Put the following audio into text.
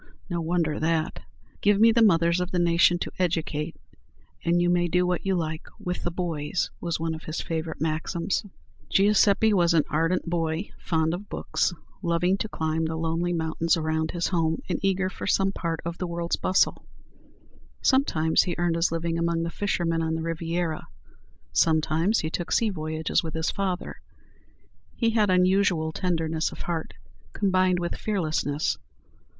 No wonder that, "Give me the mothers of the nation to educate, and you may do what you like with the boys," was one of his favorite maxims. [Illustration: GIUSEPPE GARIBALDI.] Giuseppe was an ardent boy, fond of books, loving to climb the lonely mountains around his home, and eager for some part of the world's bustle. Sometimes he earned his living among the fishermen on the Riviera; sometimes he took sea voyages with his father. He had unusual tenderness of heart, combined with fearlessness.